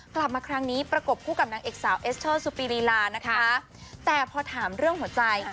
กลับมาครั้งนี้ประกบคู่กับนางเอกสาวเอสเตอร์สุปีรีลานะคะแต่พอถามเรื่องหัวใจ